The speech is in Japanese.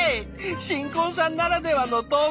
新婚さんならではの投稿！